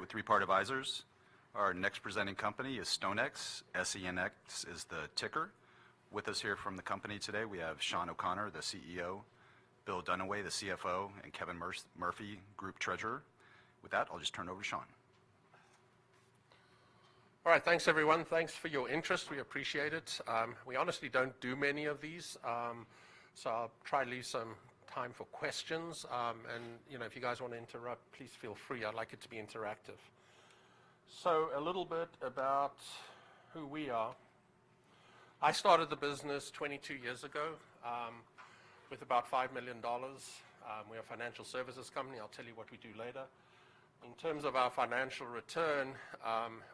with Three Part Advisors. Our next presenting company is StoneX. SNEX is the ticker. With us here from the company today, we have Sean O'Connor, the CEO, Bill Dunaway, the CFO, and Kevin Murphy, Group Treasurer. With that, I'll just turn it over to Sean. All right. Thanks, everyone. Thanks for your interest. We appreciate it. We honestly don't do many of these, so I'll try and leave some time for questions. And, you know, if you guys want to interrupt, please feel free. I'd like it to be interactive. So a little bit about who we are. I started the business 22 years ago, with about $5 million. We're a financial services company. I'll tell you what we do later. In terms of our financial return,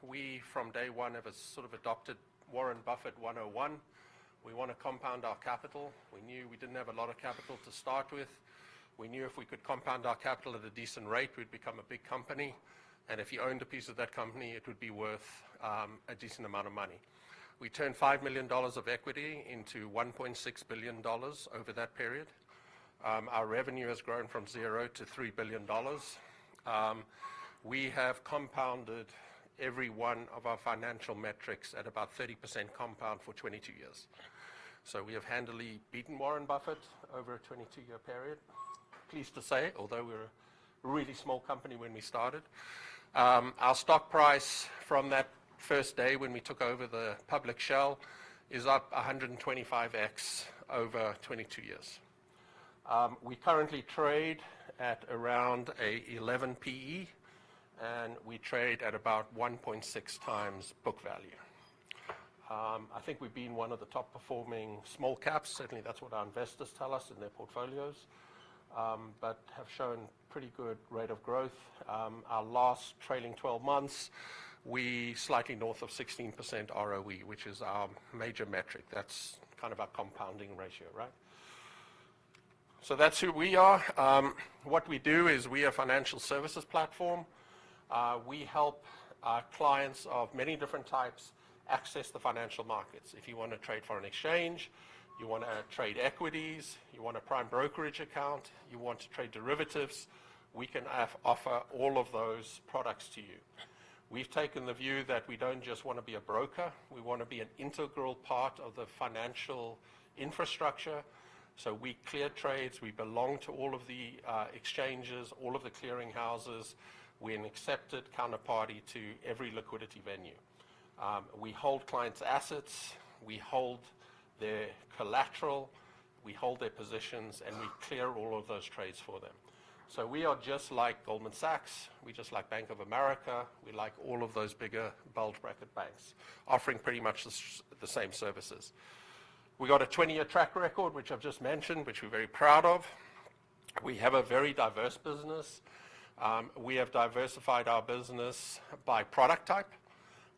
we, from day one, have sort of adopted Warren Buffett 101. We wanna compound our capital. We knew we didn't have a lot of capital to start with. We knew if we could compound our capital at a decent rate, we'd become a big company, and if you owned a piece of that company, it would be worth a decent amount of money. We turned $5 million of equity into $1.6 billion over that period. Our revenue has grown from $0 to $3 billion. We have compounded every one of our financial metrics at about 30% compound for 22 years, so we have handily beaten Warren Buffett over a 22-year period. Pleased to say, although we were a really small company when we started. Our stock price from that first day when we took over the public shell is up 125X over 22 years. We currently trade at around an 11 PE, and we trade at about 1.6 times book value. I think we've been one of the top-performing small caps. Certainly, that's what our investors tell us in their portfolios. But we have shown a pretty good rate of growth. Our last trailing twelve months, we're slightly north of 16% ROE, which is our major metric. That's kind of our compounding ratio, right? That's who we are. What we do is we are a financial services platform. We help our clients of many different types access the financial markets. If you want to trade foreign exchange, you wanna trade equities, you want a prime brokerage account, you want to trade derivatives, we can offer all of those products to you. We've taken the view that we don't just want to be a broker, we want to be an integral part of the financial infrastructure. So we clear trades, we belong to all of the exchanges, all of the clearing houses. We're an accepted counterparty to every liquidity venue. We hold clients' assets, we hold their collateral, we hold their positions, and we clear all of those trades for them. So we are just like Goldman Sachs, we're just like Bank of America. We're like all of those bigger bulge bracket banks, offering pretty much the same services. We got a 20 year track record, which I've just mentioned, which we're very proud of. We have a very diverse business. We have diversified our business by product type.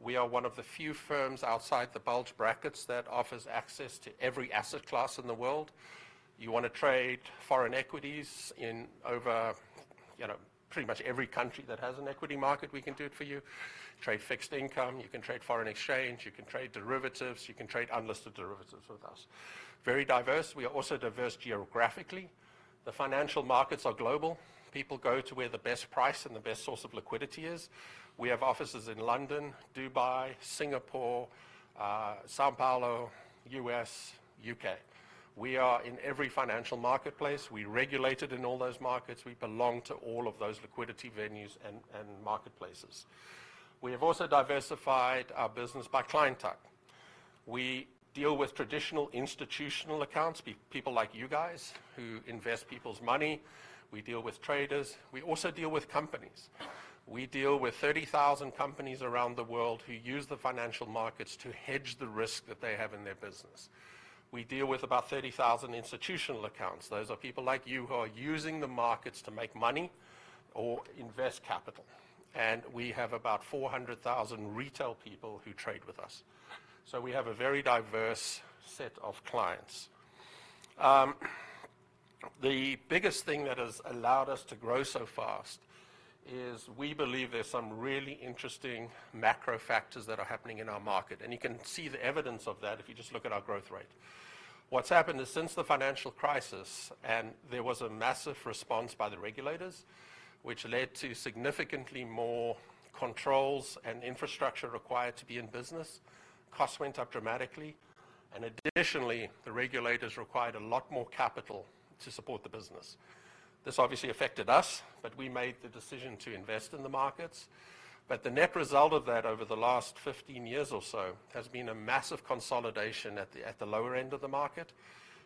We are one of the few firms outside the bulge brackets that offers access to every asset class in the world. You wanna trade foreign equities in over, you know, pretty much every country that has an equity market, we can do it for you. Trade fixed income, you can trade foreign exchange, you can trade derivatives, you can trade unlisted derivatives with us. Very diverse. We are also diverse geographically. The financial markets are global. People go to where the best price and the best source of liquidity is. We have offices in London, Dubai, Singapore, São Paulo, U.S., U.K. We are in every financial marketplace. We're regulated in all those markets. We belong to all of those liquidity venues and marketplaces. We have also diversified our business by client type. We deal with traditional institutional accounts, people like you guys, who invest people's money. We deal with traders. We also deal with companies. We deal with 30,000 companies around the world who use the financial markets to hedge the risk that they have in their business. We deal with about 30,000 institutional accounts. Those are people like you who are using the markets to make money or invest capital, and we have about 400,000 retail people who trade with us, so we have a very diverse set of clients. The biggest thing that has allowed us to grow so fast is we believe there's some really interesting macro factors that are happening in our market, and you can see the evidence of that if you just look at our growth rate. What's happened is, since the financial crisis, and there was a massive response by the regulators, which led to significantly more controls and infrastructure required to be in business, costs went up dramatically, and additionally, the regulators required a lot more capital to support the business. This obviously affected us, but we made the decision to invest in the markets. But the net result of that over the last fifteen years or so has been a massive consolidation at the lower end of the market.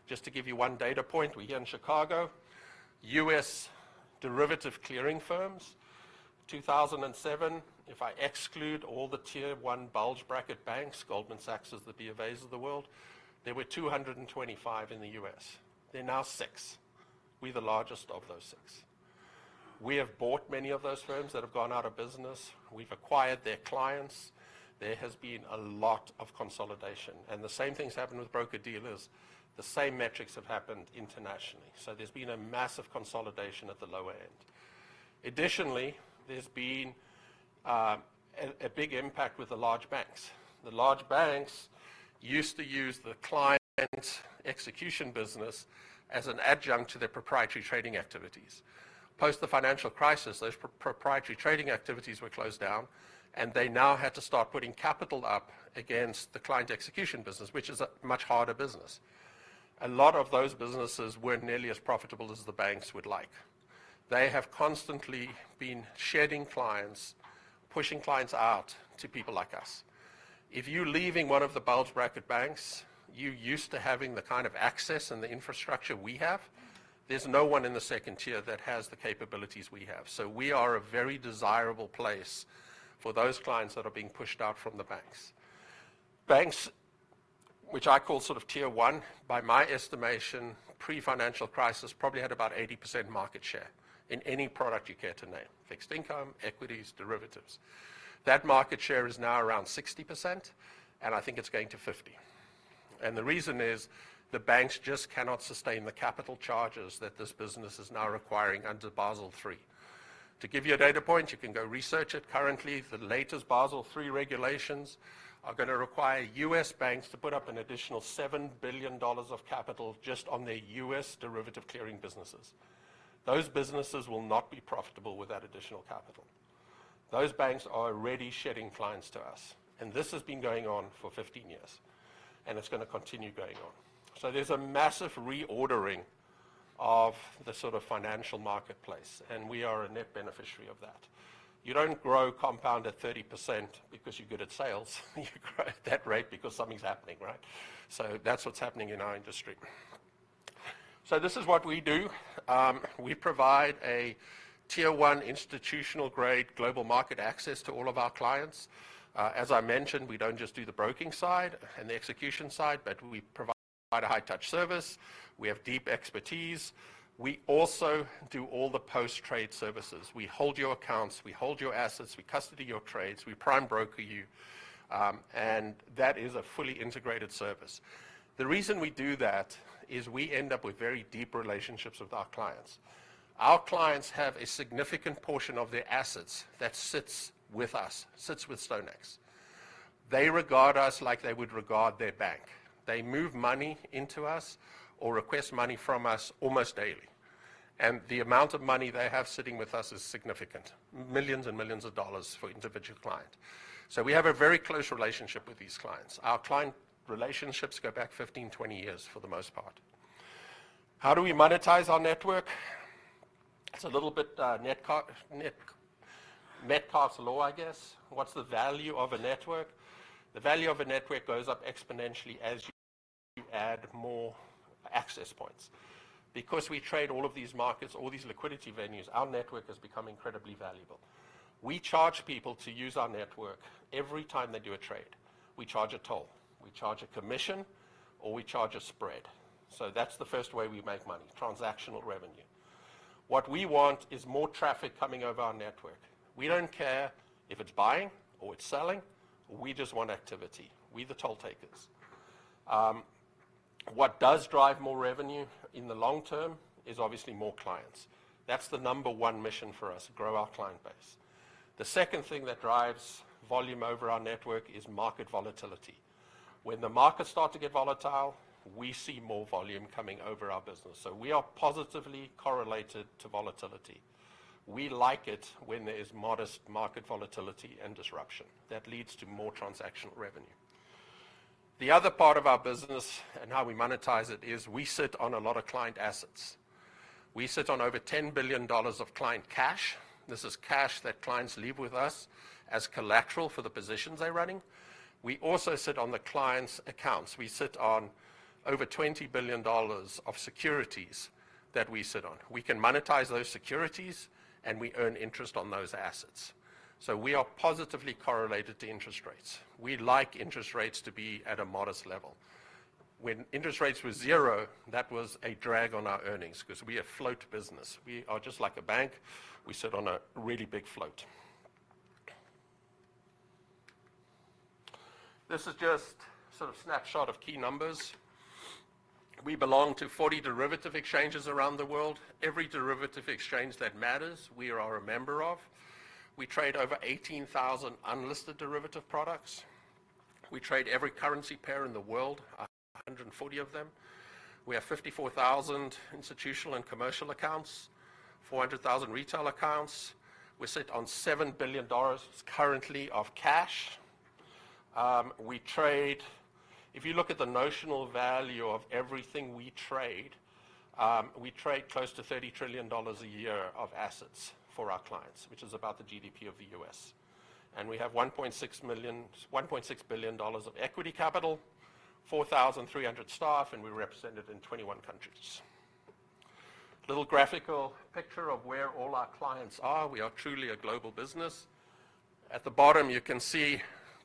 Just to give you one data point, we're here in Chicago. U.S. derivative clearing firms, 2007, if I exclude all the tier-one bulge bracket banks, Goldman Sachs's, the B of A's of the world, there were 225 in the U.S. There are now six. We're the largest of those six. We have bought many of those firms that have gone out of business. We've acquired their clients. There has been a lot of consolidation, and the same thing's happened with broker-dealers. The same metrics have happened internationally. So there's been a massive consolidation at the lower end. Additionally, there's been a big impact with the large banks. The large banks used to use the client execution business as an adjunct to their proprietary trading activities. Post the financial crisis, those proprietary trading activities were closed down, and they now had to start putting capital up against the client execution business, which is a much harder business. A lot of those businesses weren't nearly as profitable as the banks would like. They have constantly been shedding clients, pushing clients out to people like us. If you're leaving one of the bulge bracket banks, you're used to having the kind of access and the infrastructure we have. There's no one in the second tier that has the capabilities we have. So we are a very desirable place for those clients that are being pushed out from the banks. Banks, which I call sort of tier one, by my estimation, pre-financial crisis, probably had about 80% market share in any product you care to name: fixed income, equities, derivatives. That market share is now around 60%, and I think it's going to 50%. And the reason is, the banks just cannot sustain the capital charges that this business is now requiring under Basel III. To give you a data point, you can go research it. Currently, the latest Basel III regulations are gonna require U.S. banks to put up an additional $7 billion of capital just on their U.S. derivatives clearing businesses. Those businesses will not be profitable with that additional capital. Those banks are already shedding clients to us, and this has been going on for 15 years, and it's gonna continue going on. So there's a massive reordering of the sort of financial marketplace, and we are a net beneficiary of that. You don't grow compound at 30% because you're good at sales. You grow at that rate because something's happening, right? So that's what's happening in our industry. So this is what we do. We provide a tier-one, institutional-grade, global market access to all of our clients. As I mentioned, we don't just do the broking side and the execution side, but we provide a high-touch service. We have deep expertise. We also do all the post-trade services. We hold your accounts, we hold your assets, we custody your trades, we prime broker you, and that is a fully integrated service. The reason we do that is we end up with very deep relationships with our clients. Our clients have a significant portion of their assets that sits with us, sits with StoneX. They regard us like they would regard their bank. They move money into us or request money from us almost daily, and the amount of money they have sitting with us is significant, millions and millions of dollars for individual client. So we have a very close relationship with these clients. Our client relationships go back 15, 20 years for the most part. How do we monetize our network? It's a little bit network, Metcalfe's Law, I guess. What's the value of a network? The value of a network goes up exponentially as you add more access points. Because we trade all of these markets, all these liquidity venues, our network has become incredibly valuable. We charge people to use our network every time they do a trade. We charge a toll, we charge a commission, or we charge a spread. So that's the first way we make money, transactional revenue. What we want is more traffic coming over our network. We don't care if it's buying or it's selling. We just want activity. We're the toll takers. What does drive more revenue in the long term is obviously more clients. That's the number one mission for us, grow our client base. The second thing that drives volume over our network is market volatility. When the markets start to get volatile, we see more volume coming over our business, so we are positively correlated to volatility. We like it when there is modest market volatility and disruption. That leads to more transactional revenue. The other part of our business and how we monetize it is we sit on a lot of client assets. We sit on over $10 billion of client cash. This is cash that clients leave with us as collateral for the positions they're running. We also sit on the clients' accounts. We sit on over $20 billion of securities that we sit on. We can monetize those securities, and we earn interest on those assets. So we are positively correlated to interest rates. We like interest rates to be at a modest level. When interest rates were zero, that was a drag on our earnings 'cause we're a float business. We are just like a bank. We sit on a really big float. This is just sort of snapshot of key numbers. We belong to 40 derivative exchanges around the world. Every derivative exchange that matters, we are a member of. We trade over 18,000 unlisted derivative products. We trade every currency pair in the world, 140 of them. We have 54,000 institutional and commercial accounts, 400,000 retail accounts. We sit on $7 billion currently of cash. If you look at the notional value of everything we trade, we trade close to $30 trillion a year of assets for our clients, which is about the GDP of the U.S. We have $1.6 billion of equity capital, 4,300 staff, and we're represented in 21 countries. Little graphical picture of where all our clients are. We are truly a global business. At the bottom, you can see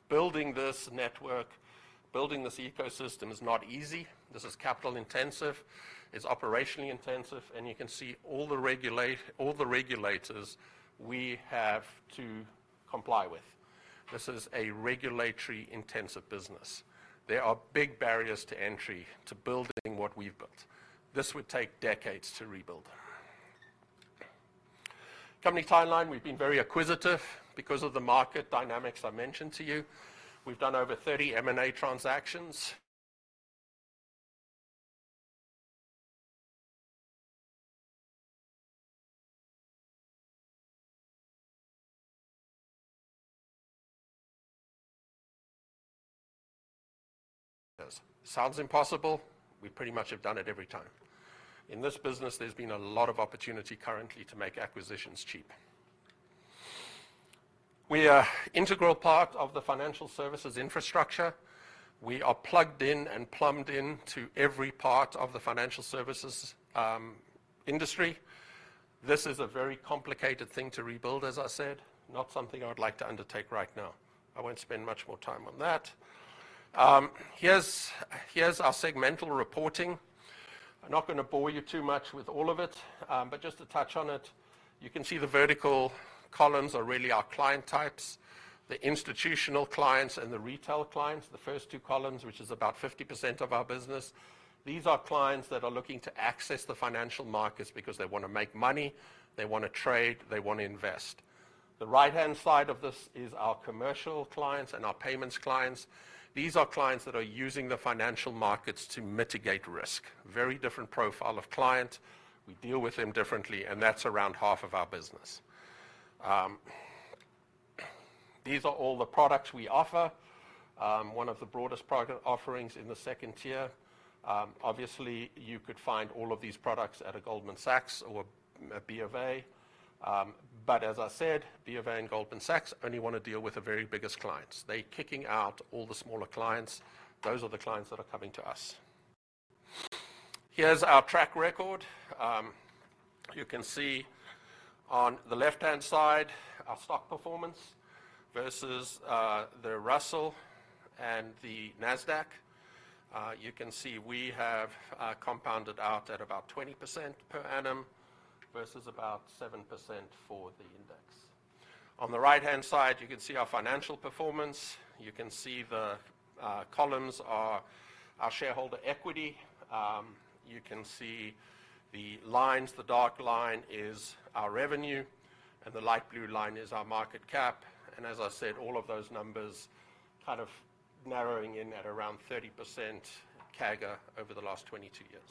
building this network, building this ecosystem is not easy. This is capital intensive, it's operationally intensive, and you can see all the regulators we have to comply with. This is a regulatory-intensive business. There are big barriers to entry to building what we've built. This would take decades to rebuild. Company timeline, we've been very acquisitive because of the market dynamics I mentioned to you. We've done over 30 M&A transactions. Sounds impossible? We pretty much have done it every time. In this business, there's been a lot of opportunity currently to make acquisitions cheap. We are integral part of the financial services infrastructure. We are plugged in and plumbed in to every part of the financial services industry. This is a very complicated thing to rebuild, as I said, not something I would like to undertake right now. I won't spend much more time on that. Here's our segmental reporting. I'm not gonna bore you too much with all of it, but just to touch on it, you can see the vertical columns are really our client types, the institutional clients and the retail clients, the first two columns, which is about 50% of our business. These are clients that are looking to access the financial markets because they wanna make money, they wanna trade, they wanna invest. The right-hand side of this is our commercial clients and our payments clients. These are clients that are using the financial markets to mitigate risk. Very different profile of client. We deal with them differently, and that's around half of our business. These are all the products we offer, one of the broadest product offerings in the second tier. Obviously, you could find all of these products at a Goldman Sachs or a B of A. But as I said, B of A and Goldman Sachs only wanna deal with the very biggest clients. They're kicking out all the smaller clients. Those are the clients that are coming to us. Here's our track record. You can see on the left-hand side, our stock performance versus the Russell and the Nasdaq. You can see we have compounded out at about 20% per annum versus about 7% for the index. On the right-hand side, you can see our financial performance. You can see the columns are our shareholder equity. You can see the lines, the dark line is our revenue, and the light blue line is our market cap. And as I said, all of those numbers kind of narrowing in at around 30% CAGR over the last 22 years.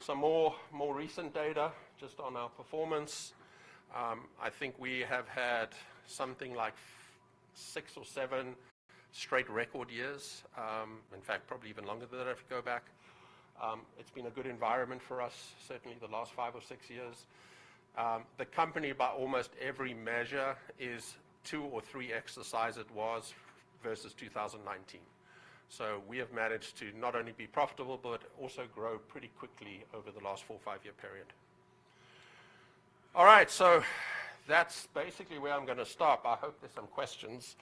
Some more recent data just on our performance. I think we have had something like six or seven straight record years, in fact, probably even longer than that if you go back. It's been a good environment for us, certainly the last five or six years. The company, by almost every measure, is two or three times what it was versus 2019. So we have managed to not only be profitable, but also grow pretty quickly over the last four, five-year period. All right, so that's basically where I'm gonna stop. I hope there's some questions.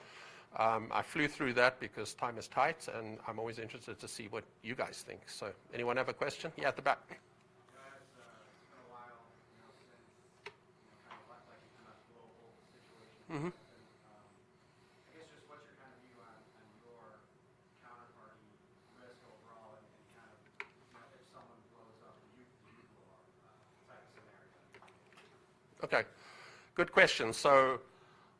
I flew through that because time is tight, and I'm always interested to see what you guys think. So anyone have a question? Yeah, at the back. It's been a while, you know, since, you know, kinda like a global situation. Mm-hmm. I guess just what's your kind of view on your counterparty risk overall and kind of if someone blows up, you know, type of scenario? Okay, good question. So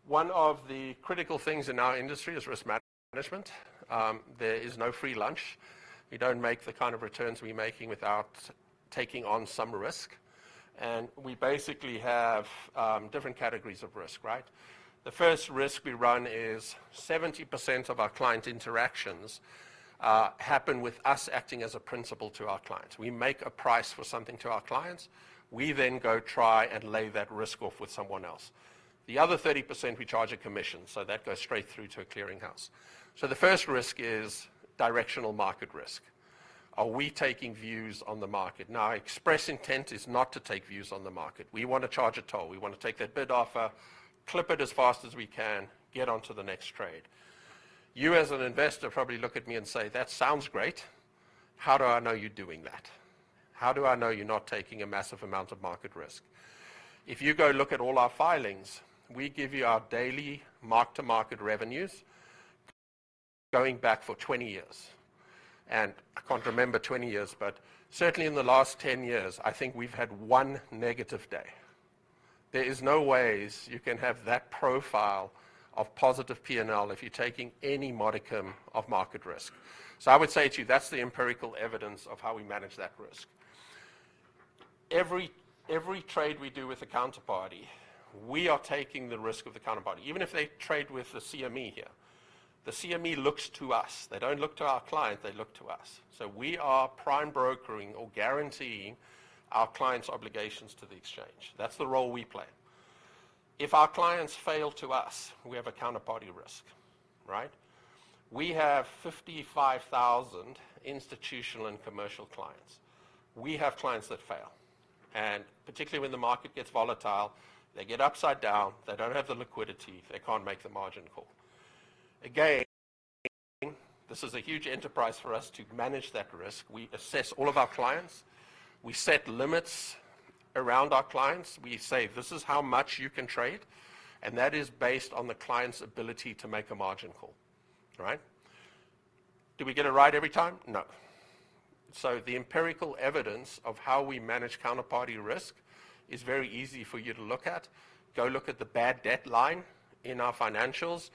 one of the critical things in our industry is risk management. There is no free lunch. We don't make the kind of returns we're making without taking on some risk, and we basically have different categories of risk, right? The first risk we run is 70% of our client interactions happen with us acting as a principal to our clients. We make a price for something to our clients. We then go try and lay that risk off with someone else. The other 30%, we charge a commission, so that goes straight through to a clearinghouse. So the first risk is directional market risk. Are we taking views on the market? Now, express intent is not to take views on the market. We want to charge a toll. We want to take that bid offer, clip it as fast as we can, get on to the next trade. You, as an investor, probably look at me and say, "That sounds great. How do I know you're doing that? How do I know you're not taking a massive amount of market risk?" If you go look at all our filings, we give you our daily mark-to-market revenues going back for 20 years, and I can't remember 20 years, but certainly in the last ten years, I think we've had one negative day. There is no ways you can have that profile of positive PNL if you're taking any modicum of market risk. So I would say to you, that's the empirical evidence of how we manage that risk. Every trade we do with a counterparty, we are taking the risk of the counterparty. Even if they trade with the CME here, the CME looks to us. They don't look to our client. They look to us. So we are prime brokering or guaranteeing our clients' obligations to the exchange. That's the role we play. If our clients fail to us, we have a counterparty risk, right? We have 55,000 institutional and commercial clients. We have clients that fail, and particularly when the market gets volatile, they get upside down, they don't have the liquidity, they can't make the margin call. Again, this is a huge enterprise for us to manage that risk. We assess all of our clients. We set limits around our clients. We say, "This is how much you can trade," and that is based on the client's ability to make a margin call... Right? Do we get it right every time? No. So the empirical evidence of how we manage counterparty risk is very easy for you to look at. Go look at the bad debt line in our financials.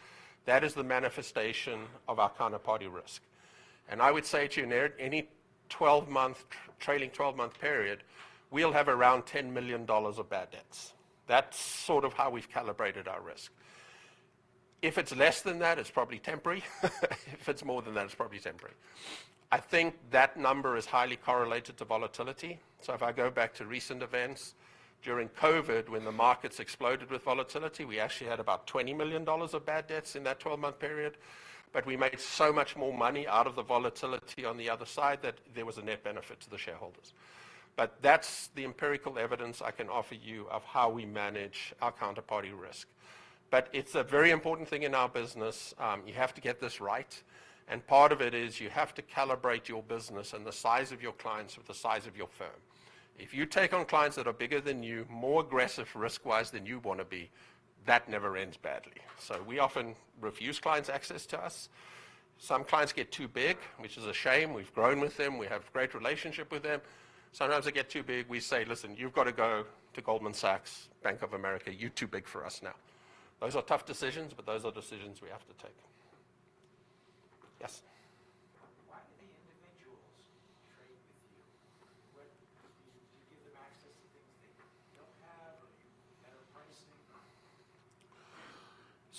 That is the manifestation of our counterparty risk. And I would say to you, near any twelve-month, trailing twelve-month period, we'll have around $10 million of bad debts. That's sort of how we've calibrated our risk. If it's less than that, it's probably temporary. If it's more than that, it's probably temporary. I think that number is highly correlated to volatility. So if I go back to recent events, during COVID, when the markets exploded with volatility, we actually had about $20 million of bad debts in that twelve-month period, but we made so much more money out of the volatility on the other side, that there was a net benefit to the shareholders. But that's the empirical evidence I can offer you of how we manage our counterparty risk. But it's a very important thing in our business. You have to get this right, and part of it is you have to calibrate your business and the size of your clients with the size of your firm. If you take on clients that are bigger than you, more aggressive risk-wise than you want to be, that never ends badly. So we often refuse clients access to us. Some clients get too big, which is a shame. We've grown with them. We have great relationship with them. Sometimes they get too big, we say, "Listen, you've got to go to Goldman Sachs, Bank of America. You're too big for us now." Those are tough decisions, but those are decisions we have to take. Yes. Why do the individuals trade with you? What do you give them access to things they don't have, or better pricing?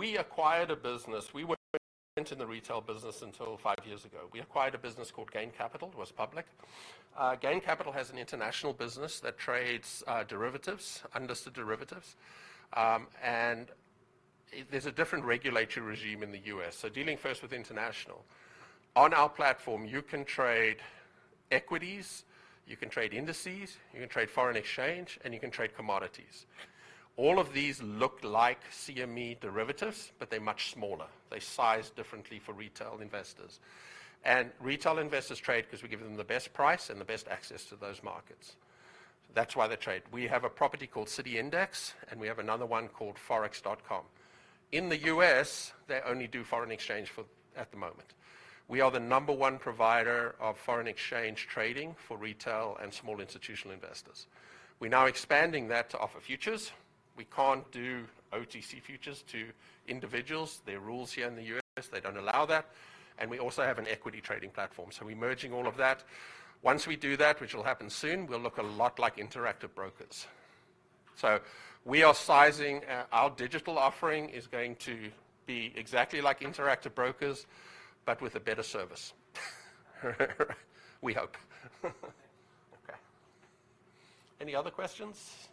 We acquired a business. We weren't in the retail business until five years ago. We acquired a business called Gain Capital. It was public. Gain Capital has an international business that trades derivatives, listed derivatives. There's a different regulatory regime in the U.S. Dealing first with international, on our platform, you can trade equities, you can trade indices, you can trade foreign exchange, and you can trade commodities. All of these look like CME derivatives, but they're much smaller. They're sized differently for retail investors. Retail investors trade 'cause we give them the best price and the best access to those markets. That's why they trade. We have a property called City Index, and we have another one called Forex.com. In the U.S., they only do foreign exchange for... at the moment. We are the number one provider of foreign exchange trading for retail and small institutional investors. We're now expanding that to offer futures. We can't do OTC futures to individuals. There are rules here in the U.S., they don't allow that, and we also have an equity trading platform, so we're merging all of that. Once we do that, which will happen soon, we'll look a lot like Interactive Brokers. So we are sizing, our digital offering is going to be exactly like Interactive Brokers, but with a better service. We hope. Thank you. Okay. Any other questions?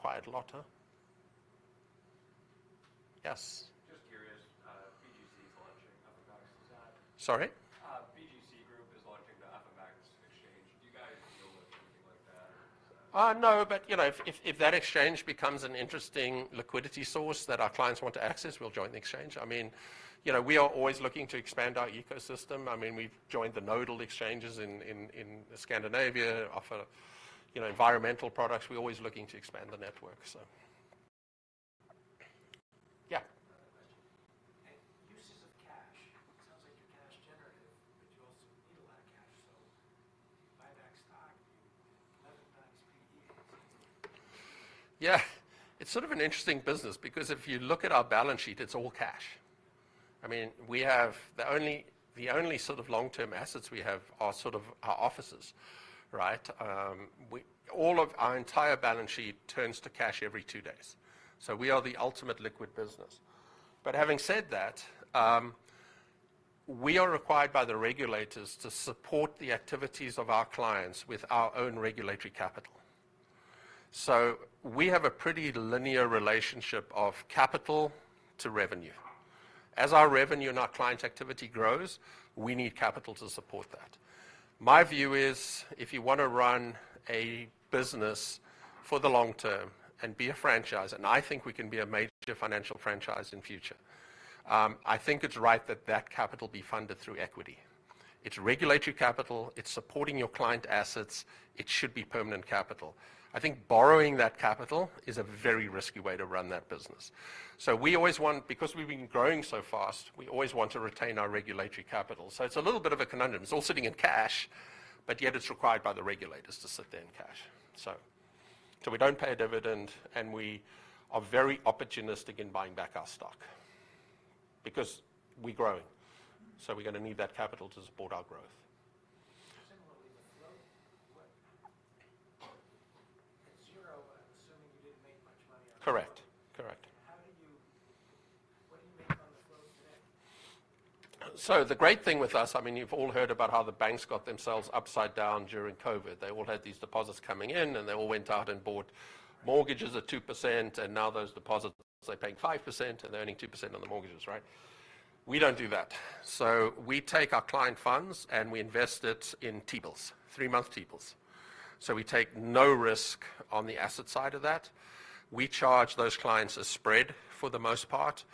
Quiet lot, huh? Yes. Just curious, BGC is launching FMX. Is that- Sorry? BGC Group is launching the FMX exchange. Do you guys deal with anything like that? No, but, you know, if that exchange becomes an interesting liquidity source that our clients want to access, we'll join the exchange. I mean, you know, we are always looking to expand our ecosystem. I mean, we've joined the Nordic exchanges in Scandinavia, offering you know environmental products. We're always looking to expand the network, so... Yeah. Another question. And uses of cash. Sounds like you're cash generative, but you also need a lot of cash, so you buy back stock, you 11 times PE. Yeah, it's sort of an interesting business because if you look at our balance sheet, it's all cash. I mean, we have. The only sort of long-term assets we have are sort of our offices, right? All of our entire balance sheet turns to cash every two days, so we are the ultimate liquid business. But having said that, we are required by the regulators to support the activities of our clients with our own regulatory capital. So we have a pretty linear relationship of capital to revenue. As our revenue and our client activity grows, we need capital to support that. My view is, if you wanna run a business for the long term and be a franchise, and I think we can be a major financial franchise in future, I think it's right that capital be funded through equity. It's regulatory capital, it's supporting your client assets, it should be permanent capital. I think borrowing that capital is a very risky way to run that business. So we always want, because we've been growing so fast, we always want to retain our regulatory capital. So it's a little bit of a conundrum. It's all sitting in cash, but yet it's required by the regulators to sit there in cash. So, so we don't pay a dividend, and we are very opportunistic in buying back our stock because we're growing, so we're gonna need that capital to support our growth. Similarly, the growth. At zero, I'm assuming you didn't make much money on- Correct, correct. What do you make on the growth today? So the great thing with us, I mean, you've all heard about how the banks got themselves upside down during COVID. They all had these deposits coming in, and they all went out and bought mortgages at 2%, and now those deposits, they're paying 5%, and they're earning 2% on the mortgages, right? We don't do that. So we take our client funds, and we invest it in T-bills, three-month T-bills. So we take no risk on the asset side of that. We charge those clients a spread for the most part.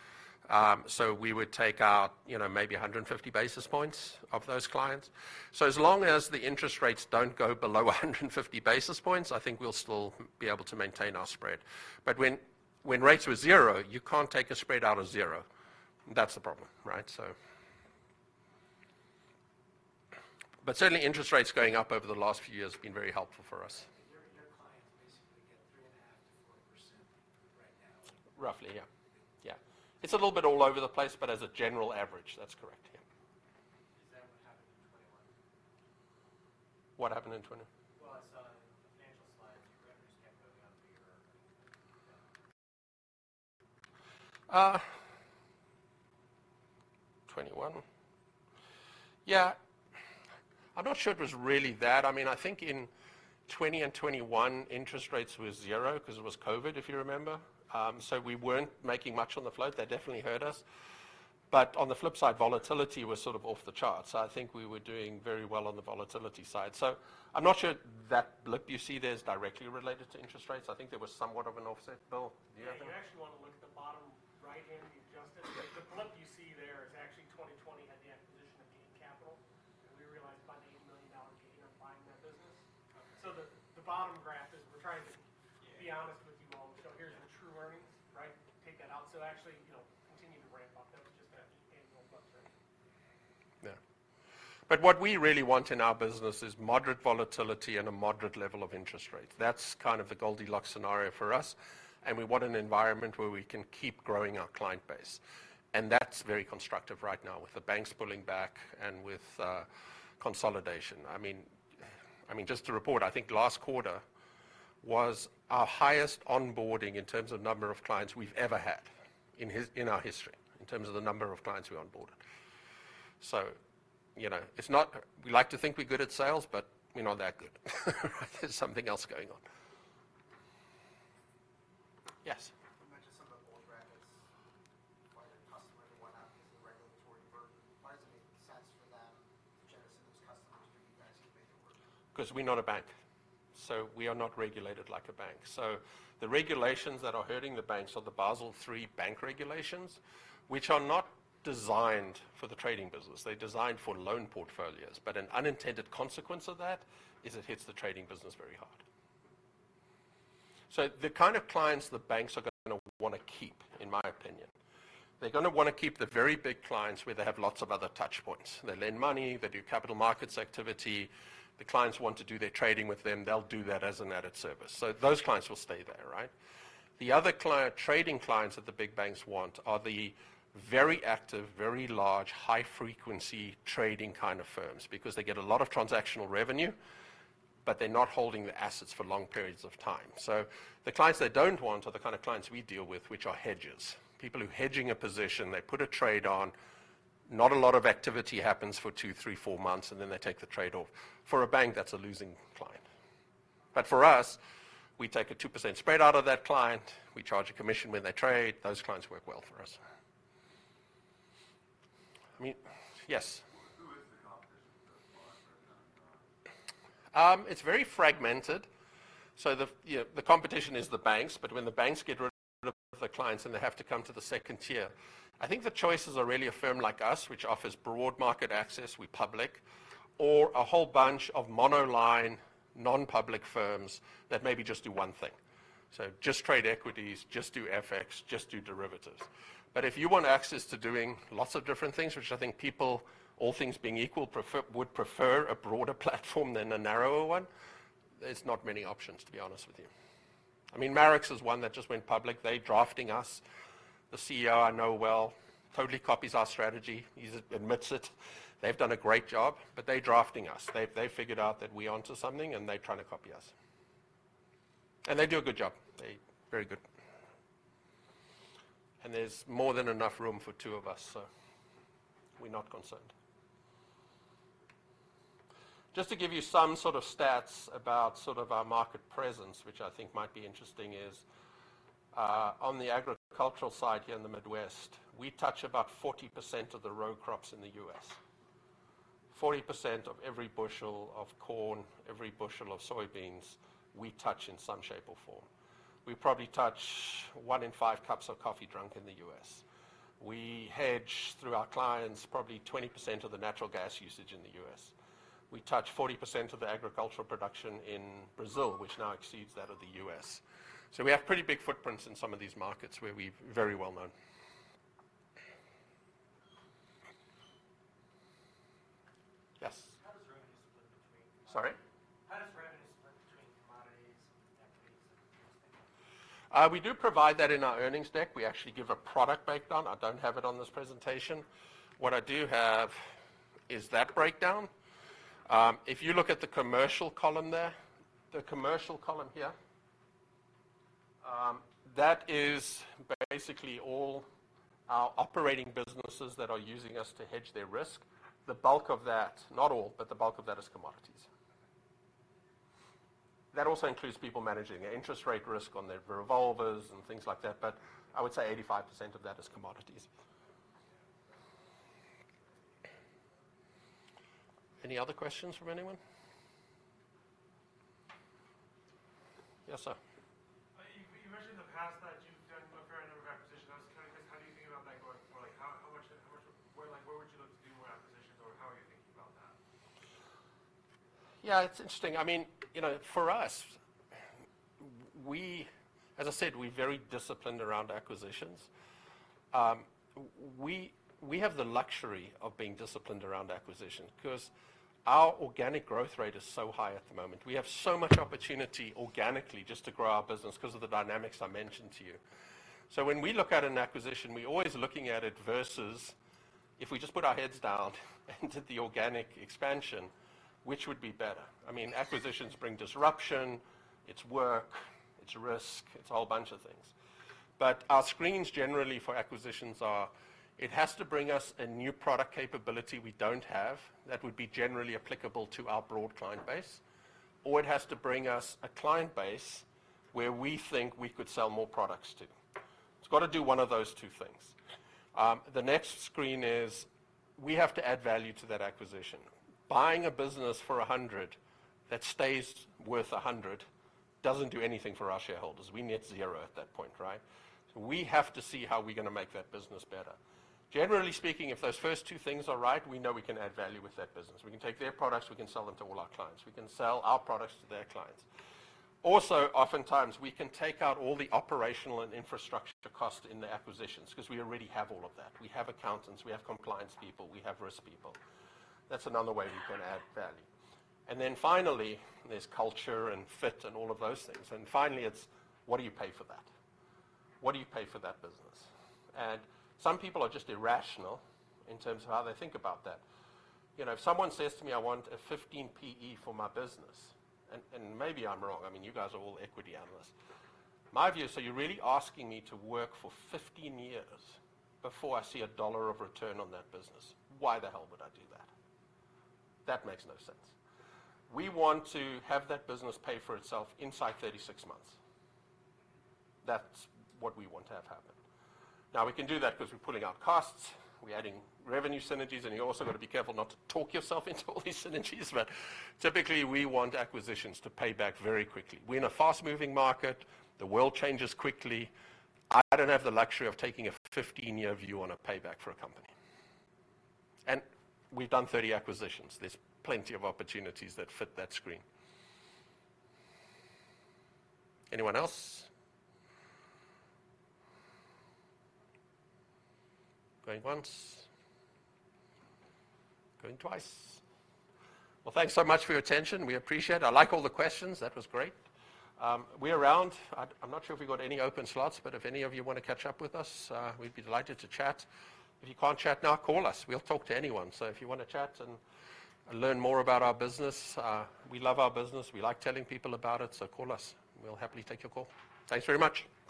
So we would take out, you know, maybe 150 basis points of those clients. So as long as the interest rates don't go below 150 basis points, I think we'll still be able to maintain our spread. But when rates were zero, you can't take a spread out of zero.... That's the problem, right? So, but certainly, interest rates going up over the last few years have been very helpful for us. Your clients basically get 3.5%-4% right now? Roughly, yeah. Yeah. It's a little bit all over the place, but as a general average, that's correct, yeah. Is that what happened in 2021? What happened in 20- I saw on the financial slides, your revenues kept going up year. 2021. Yeah, I'm not sure it was really that. I mean, I think in 2020 and 2021, interest rates were zero 'cause it was COVID, if you remember. So we weren't making much on the float. That definitely hurt us. But on the flip side, volatility was sort of off the charts. So I think we were doing very well on the volatility side. So I'm not sure that blip you see there is directly related to interest rates. I think there was somewhat of an offset. Bill, do you have an- Yeah, you actually wanna look at the bottom right-hand adjusted. The blip you see there is actually 2020 at the acquisition of Gain Capital, and we realized about $80 million gain on buying that business. Okay. So the bottom graph is we're trying to- Yeah... Be honest with you all. So here's your true earnings, right? Take that out. So actually, it'll continue to ramp up. That was just that annual blip there. Yeah, but what we really want in our business is moderate volatility and a moderate level of interest rates. That's kind of the Goldilocks scenario for us, and we want an environment where we can keep growing our client base. And that's very constructive right now with the banks pulling back and with consolidation. I mean, just to report, I think last quarter was our highest onboarding in terms of number of clients we've ever had in our history, in terms of the number of clients we onboarded. So, you know, it's not—we like to think we're good at sales, but we're not that good. There's something else going on. Yes? You mentioned some of the old brands, why their customer and whatnot is a regulatory burden. Why does it make sense for them to get us as customers for you guys to make it work? 'Cause we're not a bank, so we are not regulated like a bank. So the regulations that are hurting the banks are the Basel III bank regulations, which are not designed for the trading business. They're designed for loan portfolios, but an unintended consequence of that is it hits the trading business very hard. So the kind of clients the banks are gonna wanna keep, in my opinion, they're gonna wanna keep the very big clients, where they have lots of other touch points. They lend money, they do capital markets activity. The clients want to do their trading with them, they'll do that as an added service. So those clients will stay there, right? The other client trading clients that the big banks want are the very active, very large, high-frequency trading kind of firms because they get a lot of transactional revenue, but they're not holding the assets for long periods of time. So the clients they don't want are the kind of clients we deal with, which are hedgers. People who hedging a position, they put a trade on, not a lot of activity happens for two, three, four months, and then they take the trade off. For a bank, that's a losing client. But for us, we take a 2% spread out of that client, we charge a commission when they trade. Those clients work well for us. I mean, yes? Who is the competition thus far? It's very fragmented, so the competition is the banks, but when the banks get rid of the clients, and they have to come to the second tier, I think the choices are really a firm like us, which offers broad market access. We're public, or a whole bunch of monoline, non-public firms that maybe just do one thing. So just trade equities, just do FX, just do derivatives. But if you want access to doing lots of different things, which I think people, all things being equal, prefer, would prefer a broader platform than a narrower one, there's not many options, to be honest with you. I mean, Marex is one that just went public. They're drafting us. The CEO, I know well, totally copies our strategy. He admits it. They've done a great job, but they're drafting us. They've figured out that we're onto something, and they're trying to copy us. And they do a good job. They're very good. And there's more than enough room for two of us, so we're not concerned. Just to give you some sort of stats about sort of our market presence, which I think might be interesting, is on the agricultural side here in the Midwest, we touch about 40% of the row crops in the U.S. 40% of every bushel of corn, every bushel of soybeans, we touch in some shape or form. We probably touch one in five cups of coffee drunk in the U.S. We hedge, through our clients, probably 20% of the natural gas usage in the U.S. We touch 40% of the agricultural production in Brazil, which now exceeds that of the U.S. So we have pretty big footprints in some of these markets, where we're very well known. Yes? How does revenue split between- Sorry. How does revenue split between commodities and equities? We do provide that in our earnings deck. We actually give a product breakdown. I don't have it on this presentation. What I do have is that breakdown. If you look at the commercial column there, the commercial column here, that is basically all our operating businesses that are using us to hedge their risk. The bulk of that, not all, but the bulk of that is commodities. That also includes people managing their interest rate risk on their revolvers and things like that, but I would say 85% of that is commodities. Any other questions from anyone? Yes, sir. You mentioned in the past that you've done a fair number of acquisitions. I was kinda, 'cause how do you think about that going forward? Like, how- ...Yeah, it's interesting. I mean, you know, for us, as I said, we're very disciplined around acquisitions. We have the luxury of being disciplined around acquisition 'cause our organic growth rate is so high at the moment. We have so much opportunity organically just to grow our business 'cause of the dynamics I mentioned to you. So when we look at an acquisition, we're always looking at it versus if we just put our heads down and did the organic expansion, which would be better? I mean, acquisitions bring disruption, it's work, it's risk, it's a whole bunch of things. But our screens generally for acquisitions are: it has to bring us a new product capability we don't have, that would be generally applicable to our broad client base, or it has to bring us a client base where we think we could sell more products to. It's got to do one of those two things. The next screen is we have to add value to that acquisition. Buying a business for 100 that stays worth 100 doesn't do anything for our shareholders. We net zero at that point, right? So we have to see how we're going to make that business better. Generally speaking, if those first two things are right, we know we can add value with that business. We can take their products, we can sell them to all our clients. We can sell our products to their clients. Also, oftentimes, we can take out all the operational and infrastructure cost in the acquisitions 'cause we already have all of that. We have accountants, we have compliance people, we have risk people. That's another way we can add value. And then finally, there's culture and fit and all of those things. Finally, it's what do you pay for that? What do you pay for that business? Some people are just irrational in terms of how they think about that. You know, if someone says to me, "I want a 15 PE for my business," and maybe I'm wrong. I mean, you guys are all equity analysts. My view is, so you're really asking me to work for 15 years before I see a dollar of return on that business. Why the hell would I do that? That makes no sense. We want to have that business pay for itself inside 36 months. That's what we want to have happen. Now, we can do that 'cause we're pulling out costs, we're adding revenue synergies, and you also got to be careful not to talk yourself into all these synergies. But typically, we want acquisitions to pay back very quickly. We're in a fast-moving market. The world changes quickly. I don't have the luxury of taking a fifteen-year view on a payback for a company. And we've done 30 acquisitions. There's plenty of opportunities that fit that screen. Anyone else? Going once, going twice. Well, thanks so much for your attention. We appreciate it. I like all the questions. That was great. We're around. I'm not sure if we got any open slots, but if any of you want to catch up with us, we'd be delighted to chat. If you can't chat now, call us. We'll talk to anyone. So if you want to chat and learn more about our business, we love our business. We like telling people about it, so call us. We'll happily take your call. Thanks very much!